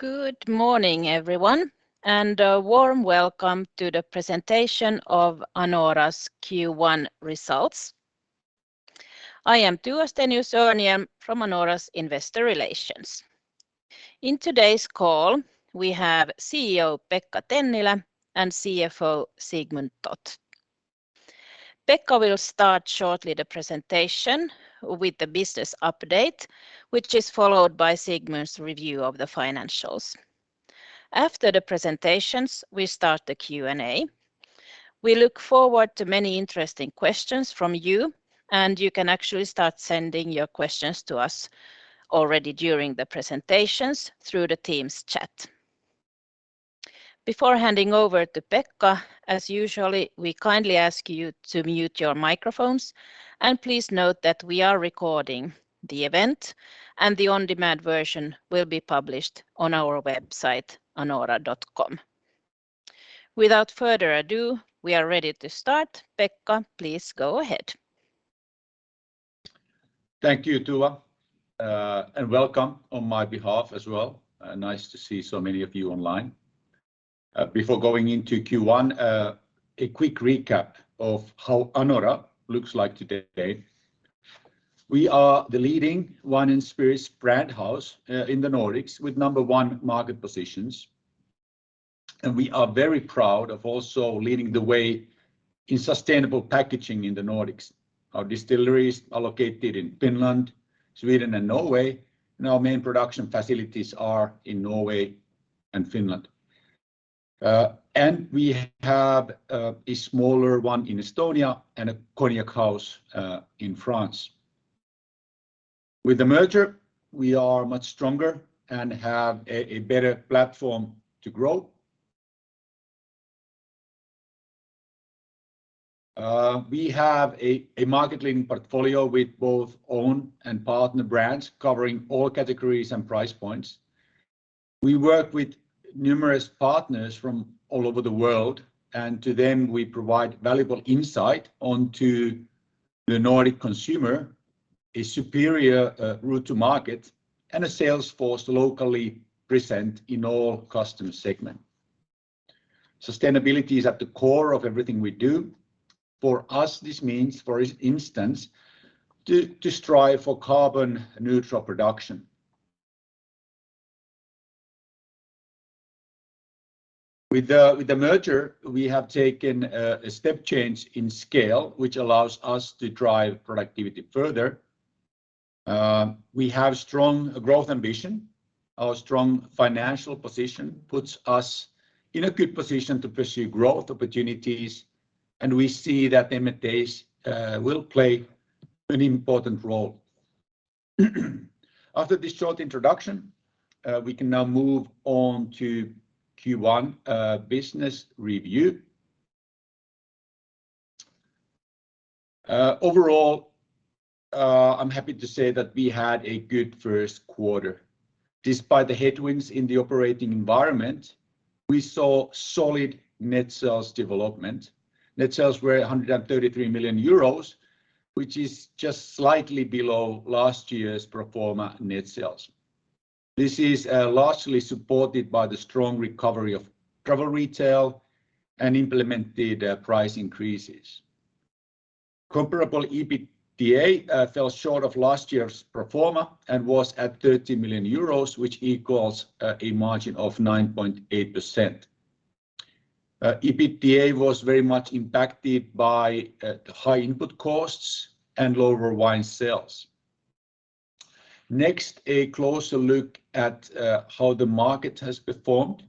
Good morning, everyone, and a warm welcome to the presentation of Anora's Q1 results. I am Tua Stenius-Örnhjelm from Anora's Investor Relations. In today's call, we have CEO Pekka Tennilä and CFO Sigmund Toth. Pekka will start shortly the presentation with the business update, which is followed by Sigmund's review of the financials. After the presentations, we start the Q&A. We look forward to many interesting questions from you, and you can actually start sending your questions to us already during the presentations through the Teams chat. Before handing over to Pekka, as usually, we kindly ask you to mute your microphones, and please note that we are recording the event, and the on-demand version will be published on our website, anora.com. Without further ado, we are ready to start. Pekka, please go ahead. Thank you, Tua, and welcome on my behalf as well. Nice to see so many of you online. Before going into Q1, a quick recap of how Anora looks like today. We are the leading wine and spirits brand house in the Nordics with number one market positions, and we are very proud of also leading the way in sustainable packaging in the Nordics. Our distilleries are located in Finland, Sweden, and Norway, and our main production facilities are in Norway and Finland. We have a smaller one in Estonia and a cognac house in France. With the merger, we are much stronger and have a better platform to grow. We have a market-leading portfolio with both owned and partner brands covering all categories and price points. We work with numerous partners from all over the world, and to them, we provide valuable insight into the Nordic consumer, a superior route to market, and a sales force locally present in all customer segment. Sustainability is at the core of everything we do. For us, this means, for instance, to strive for carbon neutral production. With the merger, we have taken a step change in scale, which allows us to drive productivity further. We have strong growth ambition. Our strong financial position puts us in a good position to pursue growth opportunities, and we see that M&A will play an important role. After this short introduction, we can now move on to Q1 business review. Overall, I'm happy to say that we had a good first quarter. Despite the headwinds in the operating environment, we saw solid net sales development. Net sales were 133 million euros, which is just slightly below last year's pro forma net sales. This is largely supported by the strong recovery of travel retail and implemented price increases. Comparable EBITDA fell short of last year's pro forma and was at 30 million euros, which equals a margin of 9.8%. EBITDA was very much impacted by the high input costs and lower wine sales. Next, a closer look at how the market has performed.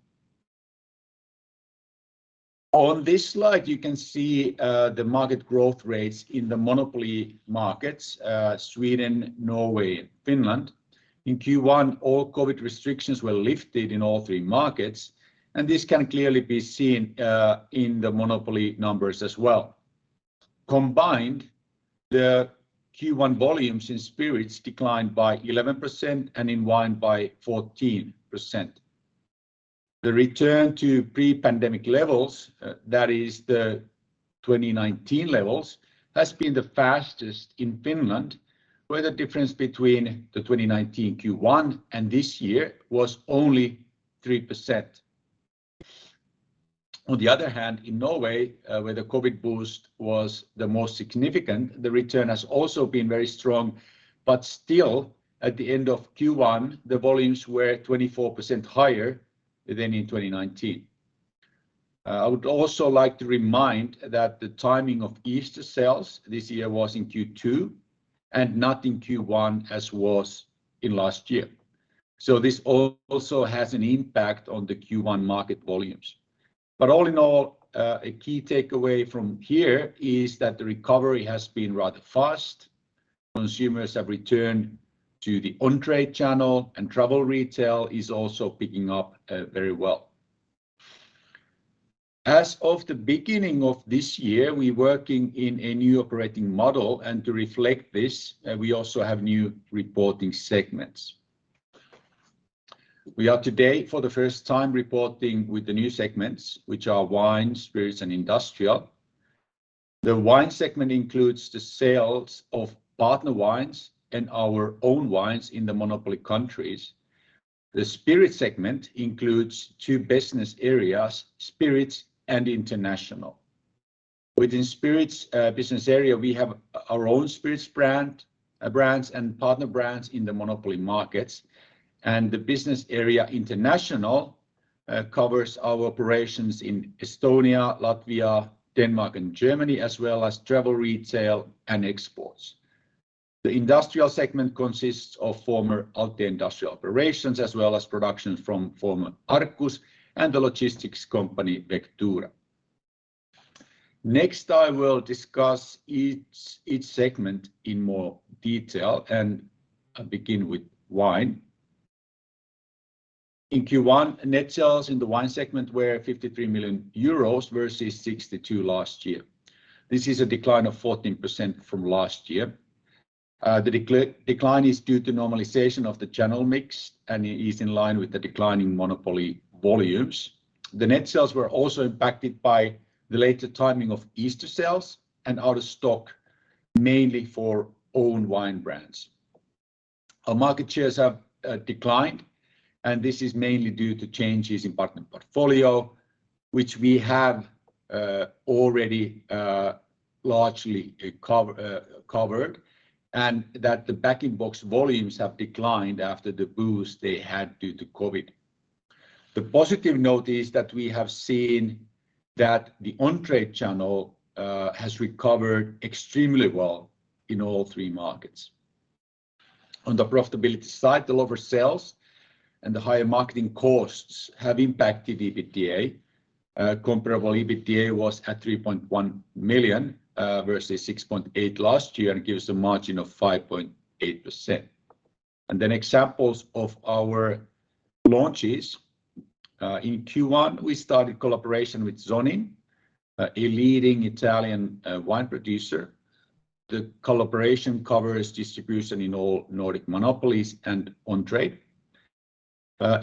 On this slide, you can see the market growth rates in the monopoly markets, Sweden, Norway, and Finland. In Q1, all COVID restrictions were lifted in all three markets, and this can clearly be seen in the monopoly numbers as well. Combined, the Q1 volumes in spirits declined by 11% and in wine by 14%. The return to pre-pandemic levels, that is the 2019 levels, has been the fastest in Finland, where the difference between the 2019 Q1 and this year was only 3%. On the other hand, in Norway, where the COVID boost was the most significant, the return has also been very strong. Still, at the end of Q1, the volumes were 24% higher than in 2019. I would also like to remind that the timing of Easter sales this year was in Q2 and not in Q1 as was in last year. This also has an impact on the Q1 market volumes. All in all, a key takeaway from here is that the recovery has been rather fast. Consumers have returned to the on-trade channel, and travel retail is also picking up very well. As of the beginning of this year, we're working in a new operating model, and to reflect this, we also have new reporting segments. We are today for the first time reporting with the new segments, which are wine, spirits, and industrial. The wine segment includes the sales of partner wines and our own wines in the monopoly countries. The spirit segment includes two business areas, spirits and international. Within spirits business area, we have our own spirits brands and partner brands in the monopoly markets. The business area international covers our operations in Estonia, Latvia, Denmark, and Germany, as well as travel retail and exports. The industrial segment consists of former Altia industrial operations, as well as productions from former Arcus and the logistics company Vectura. Next, I will discuss each segment in more detail and I begin with wine. In Q1, net sales in the wine segment were 53 million euros versus 62 million last year. This is a decline of 14% from last year. The decline is due to normalization of the channel mix, and it is in line with the declining monopoly volumes. The net sales were also impacted by the later timing of Easter sales and out of stock, mainly for own wine brands. Our market shares have declined, and this is mainly due to changes in partner portfolio, which we have already largely covered, and that the bag-in-box volumes have declined after the boost they had due to COVID. The positive note is that we have seen that the on-trade channel has recovered extremely well in all three markets. On the profitability side, the lower sales and the higher marketing costs have impacted EBITDA. Comparable EBITDA was at 3.1 million versus 6.8 million last year, and it gives a margin of 5.8%. Examples of our launches. In Q1, we started collaboration with Zonin, a leading Italian wine producer. The collaboration covers distribution in all Nordic monopolies and on-trade.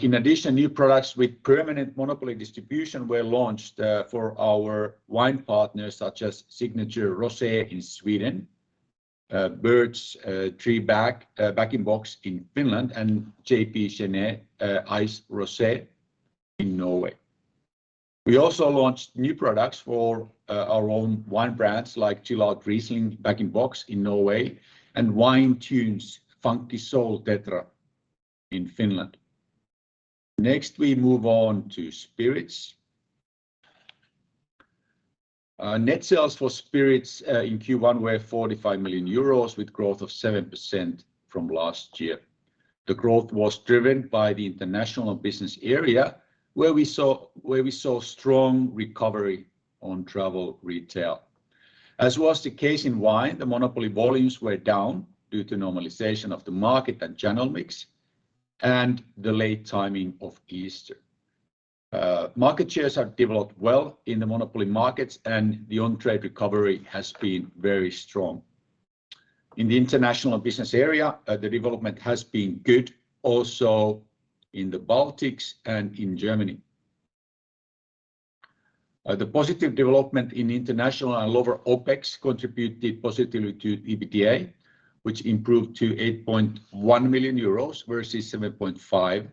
In addition, new products with permanent monopoly distribution were launched for our wine partners, such as Signature Rosé in Sweden, Bird's Tree bag-in-box in Finland, and J.P. Chenet Ice Rosé in Norway. We also launched new products for our own wine brands like Chill Out Riesling bag-in-box in Norway and Wine Tunes Funky Soul Tetra in Finland. Next, we move on to spirits. Net sales for spirits in Q1 were 45 million euros with growth of 7% from last year. The growth was driven by the international business area, where we saw strong recovery on travel retail. As was the case in wine, the monopoly volumes were down due to normalization of the market and channel mix and the late timing of Easter. Market shares have developed well in the monopoly markets, and the on-trade recovery has been very strong. In the international business area, the development has been good also in the Baltics and in Germany. The positive development in international and lower OpEx contributed positively to EBITDA, which improved to 8.1 million euros, versus 7.5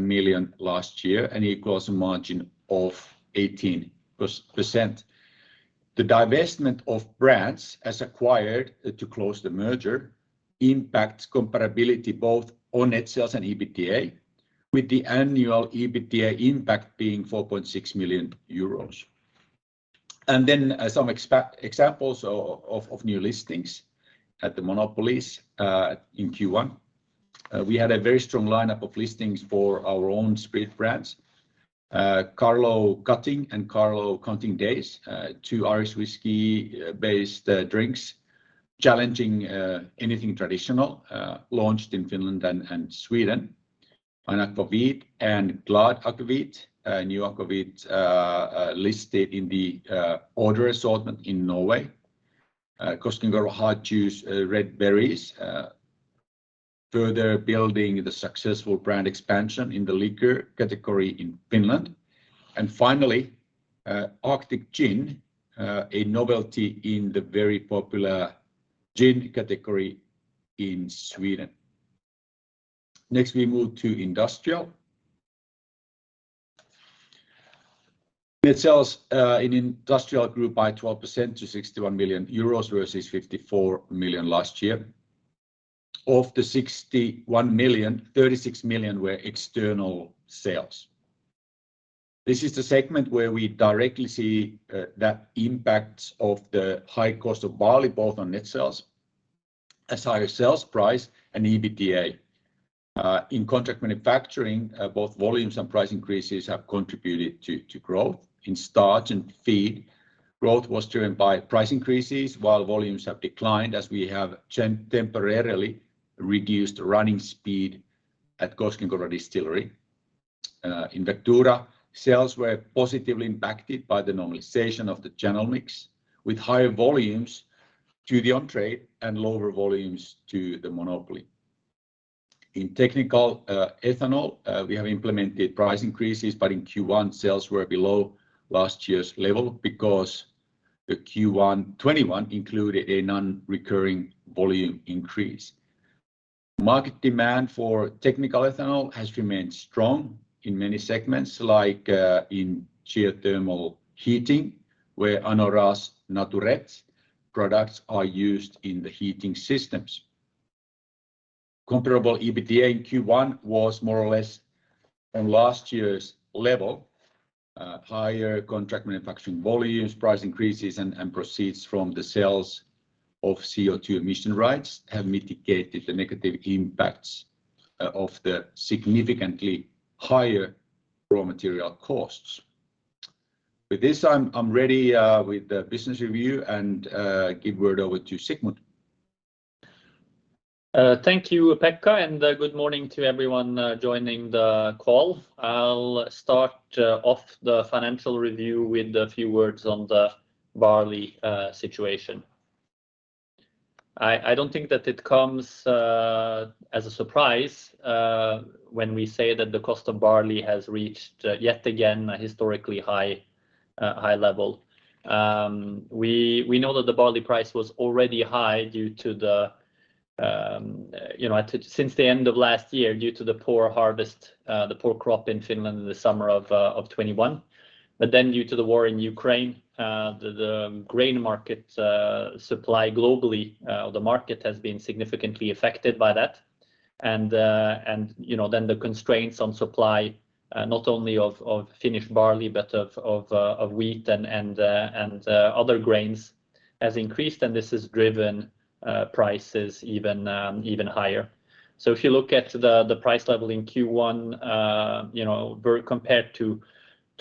million last year, and equals a margin of 18%. The divestment of brands as acquired to close the merger impacts comparability both on net sales and EBITDA, with the annual EBITDA impact being 4.6 million euros. Some examples of new listings at the monopolies in Q1. We had a very strong lineup of listings for our own spirit brands. Carlow Cuttings and Carlow Counting Days, two Irish whiskey-based drinks challenging anything traditional, launched in Finland and Sweden. Akvavit and Gilde Akvavit, new akvavit, listed in the order assortment in Norway. Koskenkorva Hard Seltzer, Red Berries, further building the successful brand expansion in the liquor category in Finland. Finally, Arctic Gin, a novelty in the very popular gin category in Sweden. Next, we move to industrial. Net sales in industrial grew by 12% to 61 million euros, versus 54 million last year. Of the 61 million, 36 million were external sales. This is the segment where we directly see the impacts of the high cost of barley, both on net sales as higher sales price and EBITDA. In contract manufacturing, both volumes and price increases have contributed to growth. In starch and feed, growth was driven by price increases, while volumes have declined as we have temporarily reduced running speed at Koskenkorva Distillery. In Vectura, sales were positively impacted by the normalization of the channel mix with higher volumes to the on-trade and lower volumes to the monopoly. In technical ethanol, we have implemented price increases, but in Q1, sales were below last year's level because the Q1 2021 included a non-recurring volume increase. Market demand for technical ethanol has remained strong in many segments, like in geothermal heating, where Anora's Naturet products are used in the heating systems. Comparable EBITDA in Q1 was more or less on last year's level. Higher contract manufacturing volumes, price increases, and proceeds from the sales of CO2 emission rights have mitigated the negative impacts of the significantly higher raw material costs. With this, I'm ready with the business review, and give word over to Sigmund. Thank you, Pekka, and good morning to everyone joining the call. I'll start off the financial review with a few words on the barley situation. I don't think that it comes as a surprise when we say that the cost of barley has reached yet again a historically high level. We know that the barley price was already high due to you know since the end of last year due to the poor harvest, the poor crop in Finland in the summer of 2021. Due to the war in Ukraine, the grain market supply globally, the market has been significantly affected by that. You know, then the constraints on supply, not only of Finnish barley, but of wheat and other grains has increased, and this has driven prices even higher. If you look at the price level in Q1, you know, compared to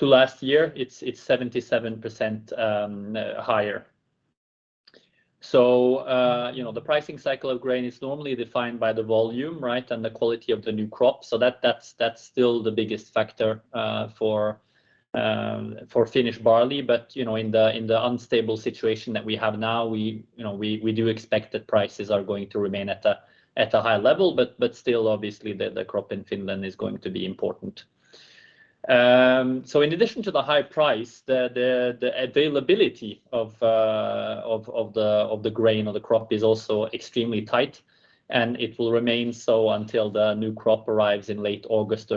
last year, it's 77% higher. You know, the pricing cycle of grain is normally defined by the volume, right, and the quality of the new crop. That's still the biggest factor for Finnish barley. you know, in the unstable situation that we have now, we do expect that prices are going to remain at a high level, but still, obviously, the crop in Finland is going to be important. n addition to the high price, the availability of the grain or the crop is also extremely tight, and it will remain so until the new crop arrives in late August,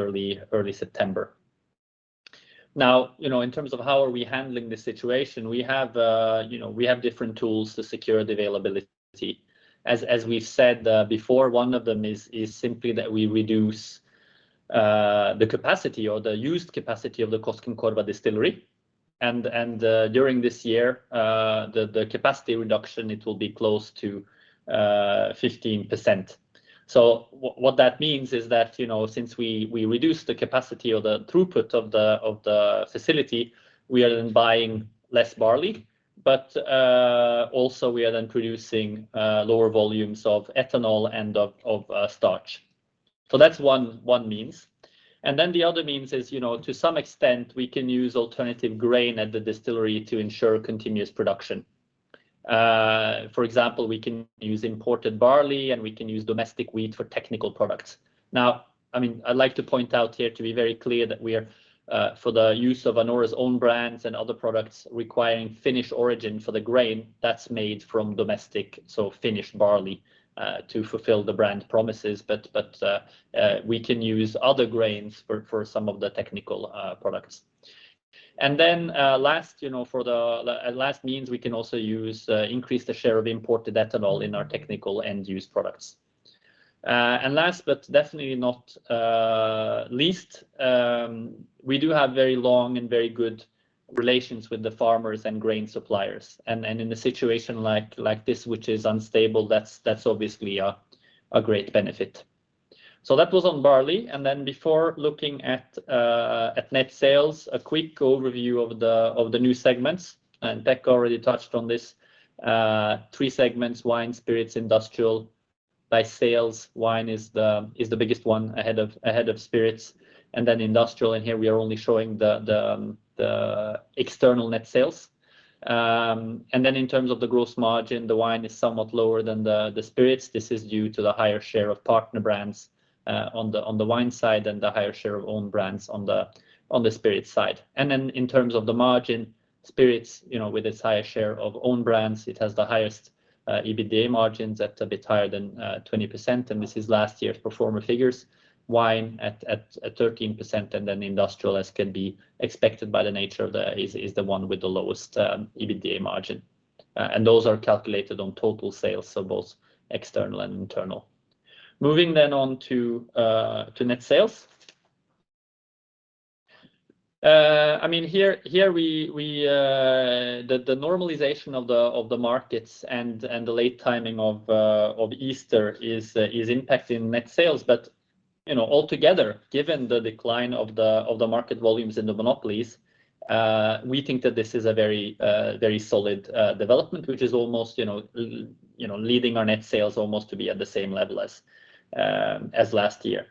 early September. Now, you know, in terms of how are we handling this situation, we have different tools to secure the availability. As we've said before, one of them is simply that we reduce the capacity or the used capacity of the Koskenkorva Distillery. During this year, the capacity reduction will be close to 15%. What that means is that, you know, since we reduce the capacity or the throughput of the facility, we are then buying less barley, but also we are then producing lower volumes of ethanol and of starch. That's one means. The other means is, you know, to some extent, we can use alternative grain at the distillery to ensure continuous production. For example, we can use imported barley, and we can use domestic wheat for technical products. Now, I mean, I'd like to point out here to be very clear that we are for the use of Anora's own brands and other products requiring Finnish origin for the grain that's made from domestic, so Finnish barley, to fulfill the brand promises, but we can use other grains for some of the technical products. Last, you know, for the last means we can also use increase the share of imported ethanol in our technical end-use products. Last but definitely not least, we do have very long and very good relations with the farmers and grain suppliers. In a situation like this, which is unstable, that's obviously a great benefit. That was on barley. Before looking at net sales, a quick overview of the new segments, and Pekka already touched on this. Three segments: wine, spirits, industrial. By sales, wine is the biggest one ahead of spirits. Industrial, and here we are only showing the external net sales. In terms of the gross margin, the wine is somewhat lower than the spirits. This is due to the higher share of partner brands on the wine side and the higher share of own brands on the spirits side. In terms of the margin, spirits, you know, with its higher share of own brands, it has the highest EBITDA margins at a bit higher than 20%, and this is last year's pro forma figures. Wine at 13%, and then industrial, as can be expected by the nature of that, is the one with the lowest EBITDA margin. Those are calculated on total sales, so both external and internal. Moving then on to net sales. I mean, here we have the normalization of the markets and the late timing of Easter is impacting net sales. You know, altogether, given the decline of the market volumes in the monopolies, we think that this is a very solid development, which is almost, you know, you know, leading our net sales almost to be at the same level as last year.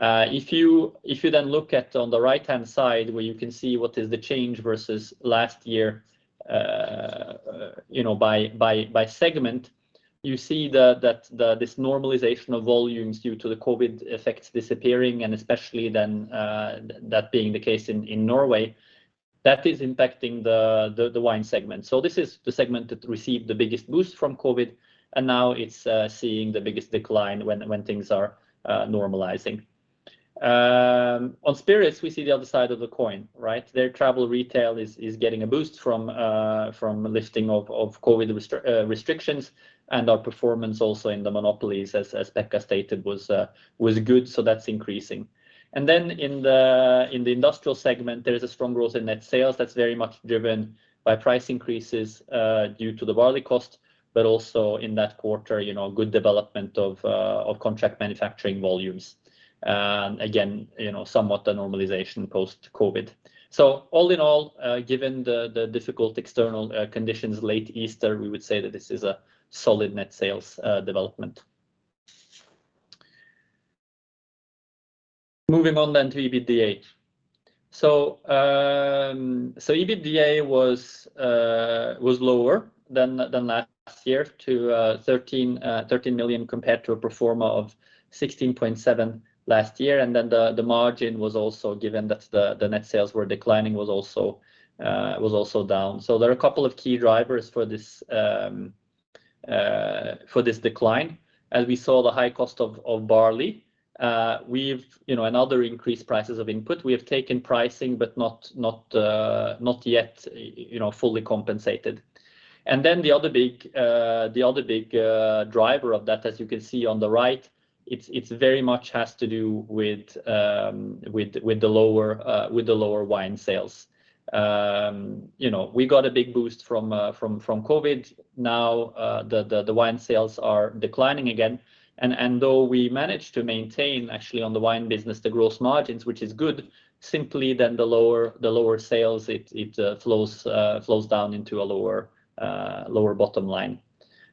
If you then look at on the right-hand side where you can see what is the change versus last year, you know, by segment, you see that this normalization of volumes due to the COVID effects disappearing and especially then that being the case in Norway, that is impacting the wine segment. This is the segment that received the biggest boost from COVID, and now it's seeing the biggest decline when things are normalizing. On spirits, we see the other side of the coin, right? Their travel retail is getting a boost from lifting of COVID restrictions and our performance also in the monopolies as Pekka stated was good. That's increasing. In the industrial segment, there is a strong growth in net sales that's very much driven by price increases due to the barley cost, but also in that quarter, you know, good development of contract manufacturing volumes. Again, you know, somewhat of a normalization post-COVID. All in all, given the difficult external conditions late Easter, we would say that this is a solid net sales development. Moving on to EBITDA. EBITDA was lower than last year to 13 million compared to a pro forma of 16.7 million last year. The margin was also given that the net sales were declining was also down. There are a couple of key drivers for this decline. As we saw the high cost of barley, we've, you know, and other increased prices of input, we have taken pricing, but not yet, you know, fully compensated. Then the other big driver of that, as you can see on the right, it's very much has to do with the lower wine sales. You know, we got a big boost from COVID. Now, the wine sales are declining again. Though we managed to maintain actually on the wine business the gross margins, which is good, simply then the lower sales, it flows down into a lower bottom line.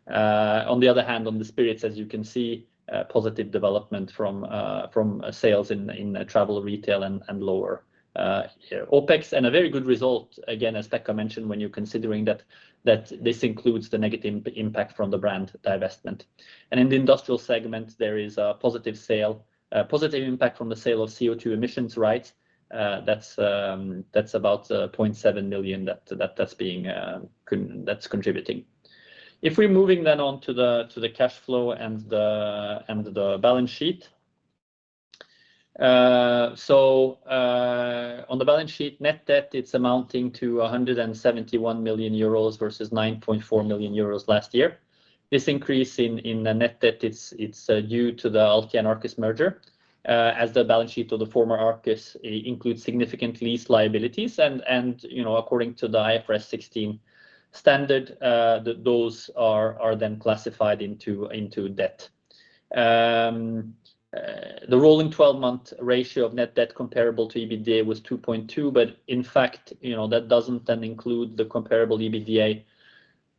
On the other hand, on the spirits, as you can see, positive development from sales in travel retail and lower OpEx. A very good result, again, as Pekka mentioned, when you're considering that this includes the negative impact from the brand divestment. In the industrial segment, there is a positive impact from the sale of CO2 emissions rights. That's about 0.7 million that's contributing. If we're moving on to the cash flow and the balance sheet. On the balance sheet, net debt, it's amounting to 171 million euros versus 9.4 million euros last year. This increase in the net debt, it's due to the Altia-Arcus merger, as the balance sheet of the former Arcus includes significant lease liabilities. You know, according to the IFRS 16 standard, those are then classified into debt. The rolling twelve-month ratio of net debt comparable to EBITDA was 2.2, but in fact, you know, that doesn't then include the comparable EBITDA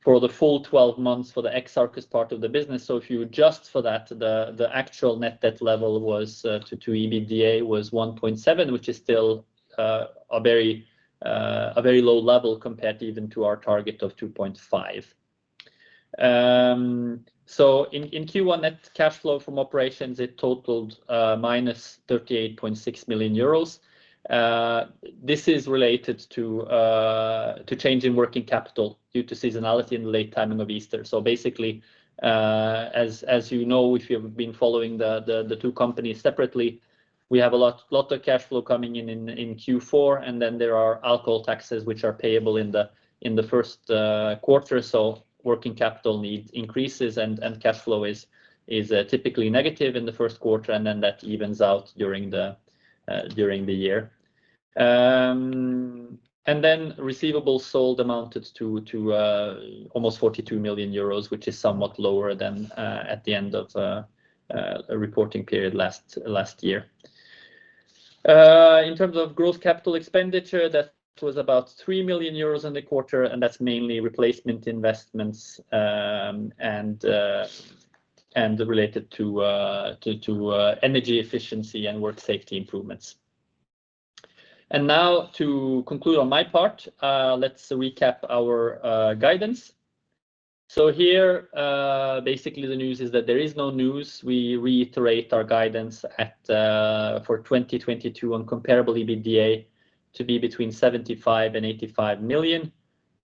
for the full twelve months for the ex-Arcus part of the business. If you adjust for that, the actual net debt level to EBITDA was 1.7, which is still a very low level compared even to our target of 2.5. In Q1, net cash flow from operations it totaled -38.6 million euros. This is related to change in working capital due to seasonality and the late timing of Easter. Basically, as you know, if you've been following the two companies separately, we have a lot of cash flow coming in in Q4, and then there are alcohol taxes which are payable in the first quarter. Working capital need increases and cash flow is typically negative in the first quarter, and then that evens out during the year. Then receivables sold amounted to almost 42 million euros, which is somewhat lower than at the end of a reporting period last year. In terms of gross capital expenditure, that was about 3 million euros in the quarter, and that's mainly replacement investments, and related to energy efficiency and work safety improvements. Now to conclude on my part, let's recap our guidance. Here, basically the news is that there is no news. We reiterate our guidance for 2022 on comparable EBITDA to be between 75 million and 85 million.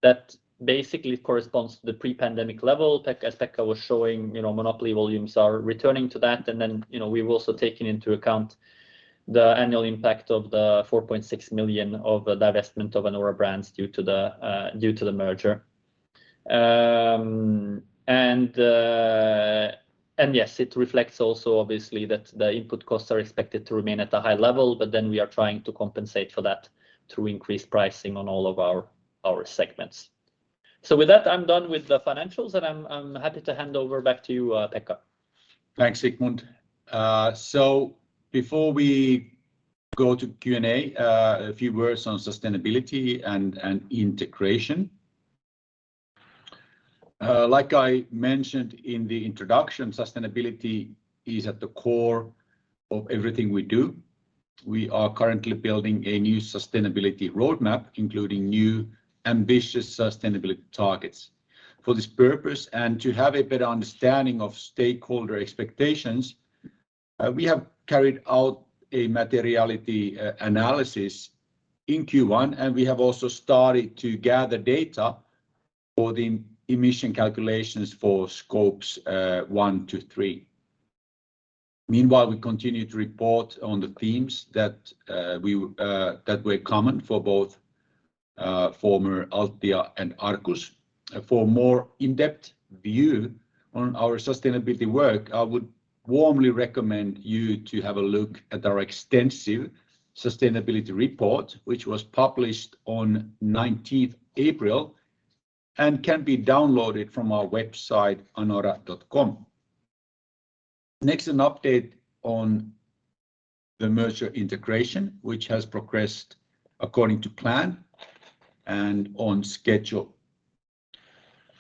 That basically corresponds to the pre-pandemic level. As Pekka was showing, you know, monopoly volumes are returning to that. You know, we've also taken into account the annual impact of the 4.6 million of divestment of Anora brands due to the merger. Yes, it reflects also obviously that the input costs are expected to remain at a high level, but then we are trying to compensate for that through increased pricing on all of our segments. With that, I'm done with the financials, and I'm happy to hand over back to you, Pekka. Thanks, Sigmund. Before we go to Q&A, a few words on sustainability and integration. Like I mentioned in the introduction, sustainability is at the core of everything we do. We are currently building a new sustainability roadmap, including new ambitious sustainability targets for this purpose and to have a better understanding of stakeholder expectations, we have carried out a materiality analysis in Q1, and we have also started to gather data for the emission calculations for Scopes 1, 2, 3. Meanwhile, we continue to report on the themes that were common for both former Altia and Arcus. For more in-depth view on our sustainability work, I would warmly recommend you to have a look at our extensive sustainability report, which was published on April 19th and can be downloaded from our website anora.com. Next, an update on the merger integration, which has progressed according to plan and on schedule.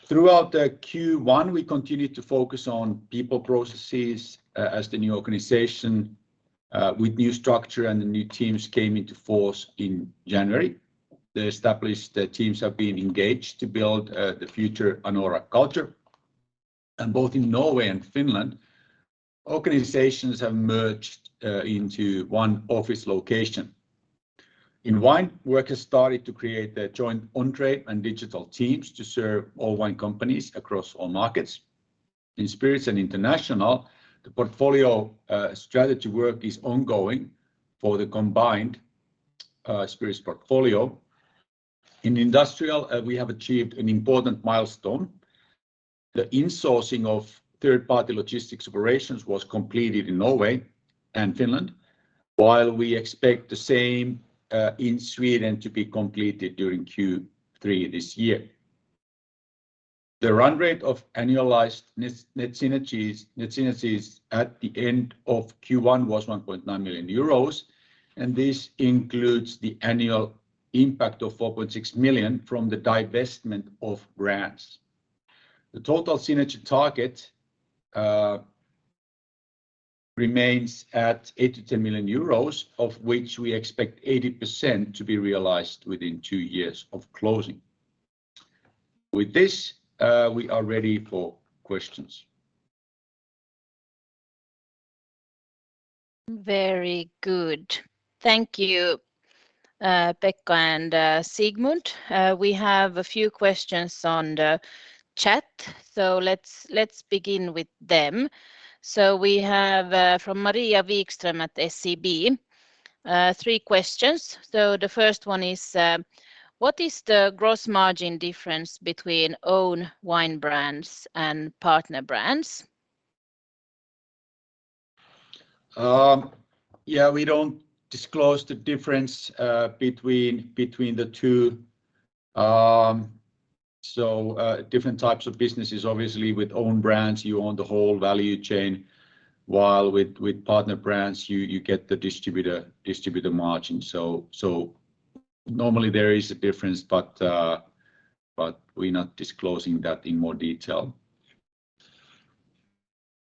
Throughout the Q1, we continued to focus on people processes as the new organization, with new structure and the new teams came into force in January. The established teams have been engaged to build the future Anora culture. Both in Norway and Finland, organizations have merged into one office location. In wine, work has started to create the joint on-trade and digital teams to serve all wine companies across all markets. In Spirits and International, the portfolio strategy work is ongoing for the combined spirits portfolio. In Industrial, we have achieved an important milestone. The insourcing of third-party logistics operations was completed in Norway and Finland, while we expect the same in Sweden to be completed during Q3 this year. The run rate of annualized net synergies at the end of Q1 was 1.9 million euros, and this includes the annual impact of 4.6 million from the divestment of brands. The total synergy target remains at 8 million-10 million euros, of which we expect 80% to be realized within two years of closing. With this, we are ready for questions. Very good. Thank you, Pekka and Sigmund. We have a few questions on the chat, so let's begin with them. We have from Maria Wikström at SEB three questions. The first one is: What is the gross margin difference between own wine brands and partner brands? Yeah, we don't disclose the difference between the two. Different types of businesses. Obviously, with own brands, you own the whole value chain, while with partner brands, you get the distributor margin. Normally there is a difference, but we're not disclosing that in more detail.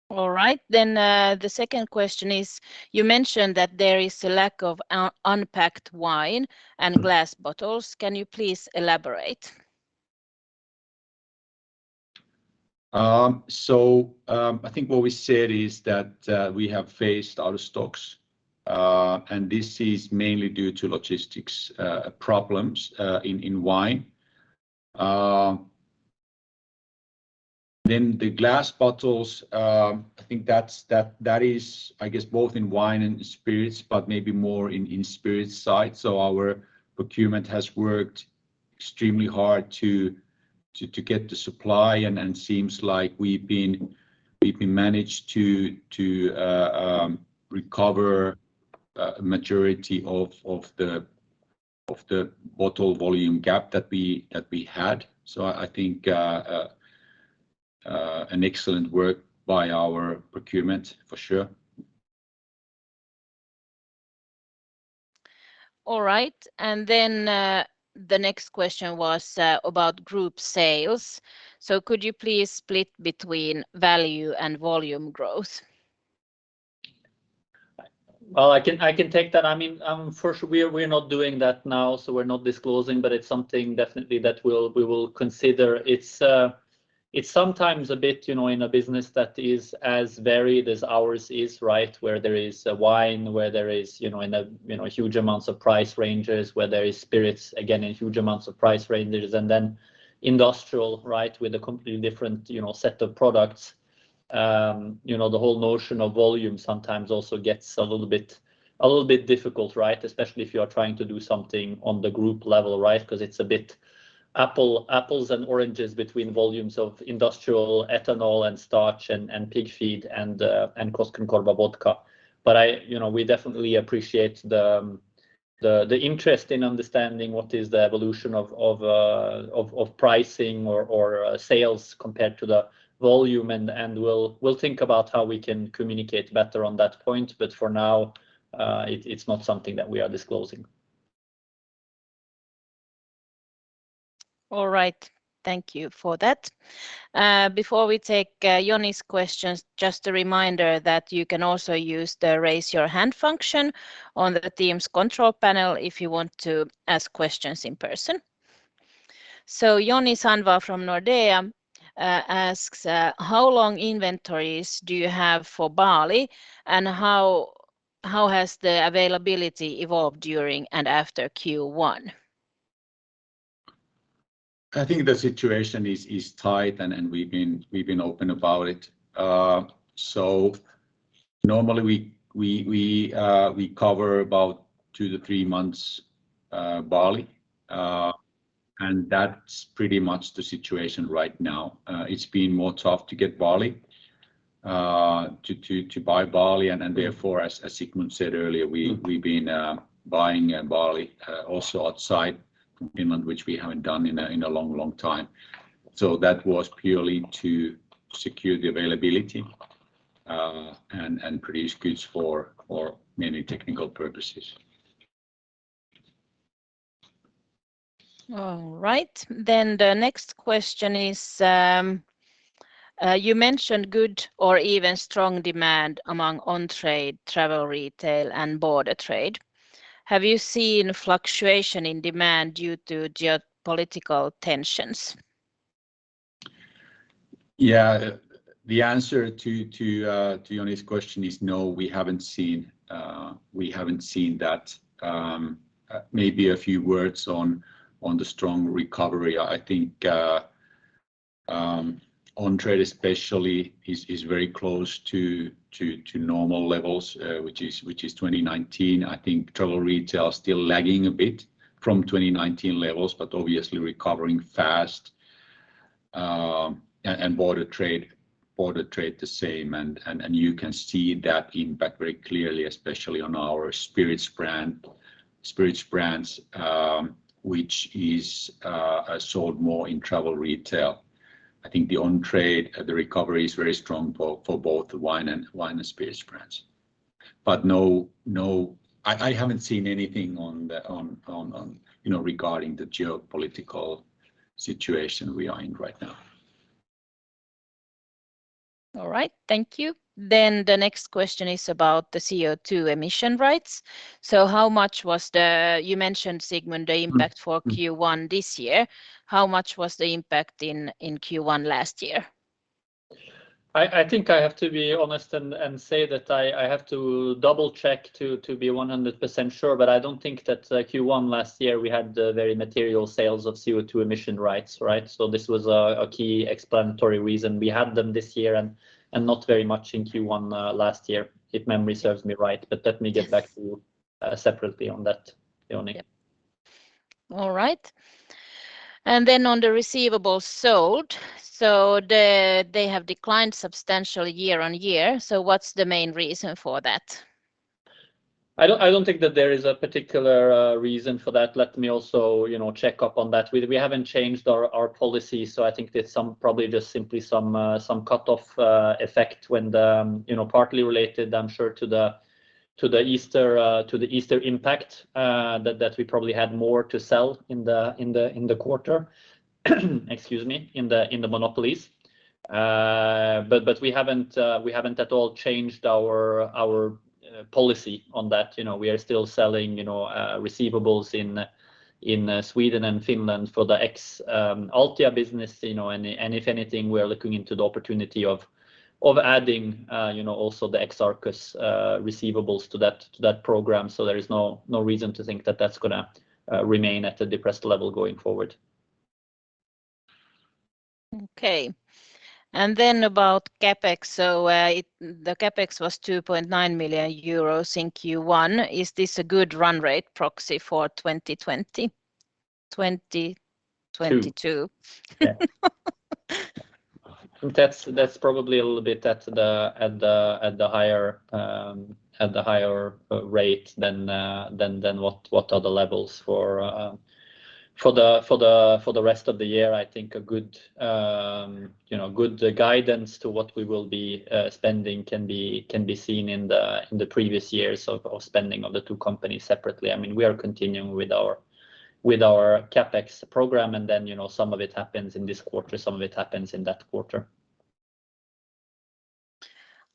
All right, the second question is: You mentioned that there is a lack of unpacked wine and glass bottles. Can you please elaborate? I think what we said is that we have faced out-of-stocks, and this is mainly due to logistics problems in wine. The glass bottles, I think that is, I guess, both in wine and spirits, but maybe more in spirits side. Our procurement has worked extremely hard to get the supply, and seems like we've managed to recover a majority of the bottle volume gap that we had. I think an excellent work by our procurement for sure. All right. The next question was about group sales. Could you please split between value and volume growth? Well, I can take that. I mean, first, we're not doing that now, so we're not disclosing, but it's something definitely that we'll consider. It's sometimes a bit, you know, in a business that is as varied as ours is, right, where there is wine, where there is, you know, huge amounts of price ranges, where there is spirits, again, in huge amounts of price ranges, and then industrial, right, with a completely different, you know, set of products. You know, the whole notion of volume sometimes also gets a little bit difficult, right? Especially if you are trying to do something on the group level, right? Because it's a bit apples to apples and oranges between volumes of industrial ethanol and starch and pig feed and Koskenkorva Vodka. You know, we definitely appreciate the interest in understanding what is the evolution of pricing or sales compared to the volume and we'll think about how we can communicate better on that point. For now, it's not something that we are disclosing. All right. Thank you for that. Before we take Joni's questions, just a reminder that you can also use the raise your hand function on the Teams control panel if you want to ask questions in person. Joni Sandvall from Nordea asks, "How long inventories do you have for barley, and how has the availability evolved during and after Q1? I think the situation is tight and we've been open about it. Normally we cover about two to three months barley and that's pretty much the situation right now. It's been more tough to get barley, to buy barley and therefore as Sigmund said earlier, we've been buying barley also outside Finland which we haven't done in a long time. That was purely to secure the availability and produce goods for many technical purposes. All right. The next question is, "You mentioned good or even strong demand among on-trade travel retail and border trade. Have you seen fluctuation in demand due to geopolitical tensions? Yeah. The answer to Joni's question is no, we haven't seen that. Maybe a few words on the strong recovery. I think on-trade especially is very close to normal levels, which is 2019. I think travel retail still lagging a bit from 2019 levels, but obviously recovering fast. Border trade the same. You can see that impact very clearly especially on our spirits brands, which is sold more in travel retail. I think the on-trade recovery is very strong for both wine and spirits brands. No, I haven't seen anything on the you know, regarding the geopolitical situation we are in right now. All right. Thank you. The next question is about the CO2 emission rights. You mentioned, Sigmund, the impact for Q1 this year. How much was the impact in Q1 last year? I think I have to be honest and say that I have to double-check to be 100% sure, but I don't think that Q1 last year we had very material sales of CO2 emission rights, right? This was a key explanatory reason. We had them this year and not very much in Q1 last year, if memory serves me right. Let me get back to you separately on that, Joni. All right. On the receivables sold, so they have declined substantially year-on-year, so what's the main reason for that? I don't think that there is a particular reason for that. Let me also, you know, check up on that. We haven't changed our policy, so I think there's some probably just simply some cutoff effect when, you know, partly related, I'm sure, to the Easter impact that we probably had more to sell in the quarter, excuse me, in the monopolies. We haven't at all changed our policy on that. You know, we are still selling, you know, receivables in Sweden and Finland for the ex-Altia business, you know. If anything, we are looking into the opportunity of adding, you know, also the ex-Arcus receivables to that program. There is no reason to think that that's gonna remain at a depressed level going forward. About CapEx. The CapEx was 2.9 million euros in Q1. Is this a good run rate proxy for 2020, 2022? Too. Yeah. That's probably a little bit at the higher rate than what are the levels for the rest of the year. I think a good, you know, good guidance to what we will be spending can be seen in the previous years of spending of the two companies separately. I mean, we are continuing with our CapEx program and then, you know, some of it happens in this quarter, some of it happens in that quarter.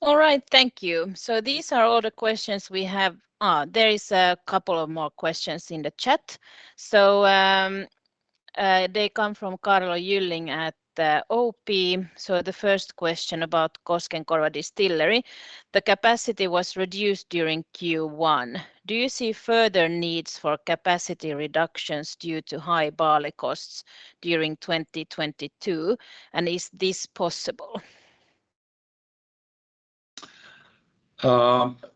All right. Thank you. These are all the questions we have. There is a couple of more questions in the chat. They come from Karlo Gylling at OP. The first question about Koskenkorva Distillery. The capacity was reduced during Q1. Do you see further needs for capacity reductions due to high barley costs during 2022, and is this possible?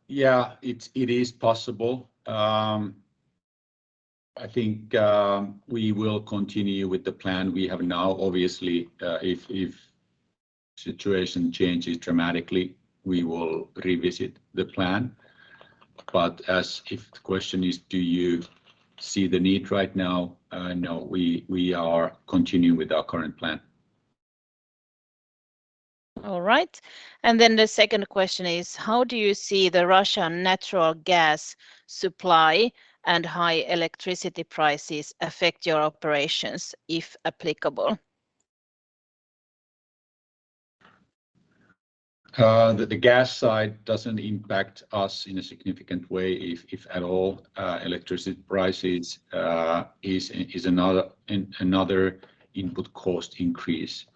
Yeah, it is possible. I think we will continue with the plan we have now. Obviously, if situation changes dramatically, we will revisit the plan. As if the question is do you see the need right now, no, we are continuing with our current plan. All right. The second question is: How do you see the Russian natural gas supply and high electricity prices affect your operations, if applicable? The gas side doesn't impact us in a significant way, if at all. Electricity prices is another input cost increase,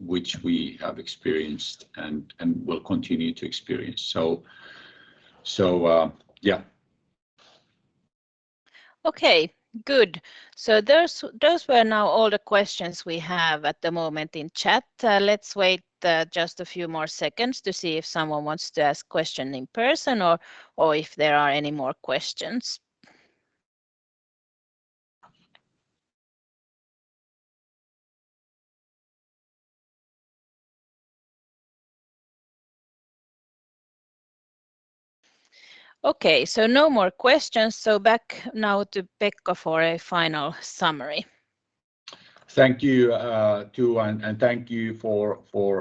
which we have experienced and will continue to experience. Yeah. Okay. Good. Those were now all the questions we have at the moment in chat. Let's wait just a few more seconds to see if someone wants to ask question in person or if there are any more questions. Okay, no more questions, back now to Pekka for a final summary. Thank you, Tua, and thank you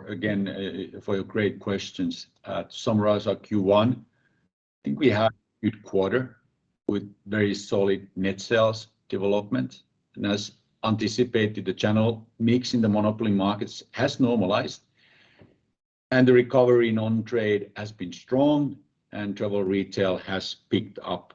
again for your great questions. To summarize our Q1, I think we had a good quarter with very solid net sales development. As anticipated, the channel mix in the monopoly markets has normalized, and the recovery in on-trade has been strong, and travel retail has picked up,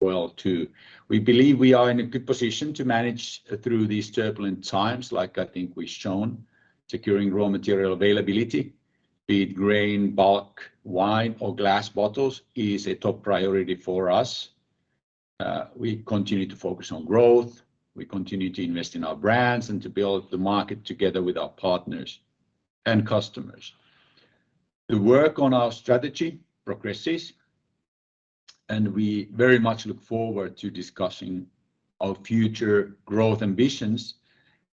well too. We believe we are in a good position to manage through these turbulent times, like I think we've shown. Securing raw material availability, be it grain, bulk, wine or glass bottles, is a top priority for us. We continue to focus on growth. We continue to invest in our brands and to build the market together with our partners and customers. The work on our strategy progresses, and we very much look forward to discussing our future growth ambitions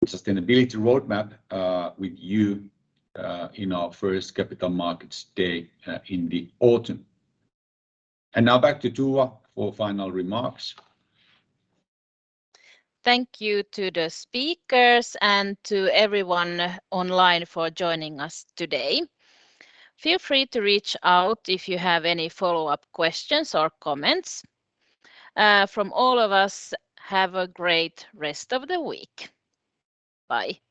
and sustainability roadmap, with you, in our first Capital Markets Day, in the autumn. Now back to Tua for final remarks. Thank you to the speakers and to everyone online for joining us today. Feel free to reach out if you have any follow-up questions or comments. From all of us, have a great rest of the week. Bye.